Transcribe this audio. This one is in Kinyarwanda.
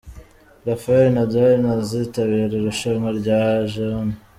Rafael Nadal ntazitabira irushanwa rya Aegon.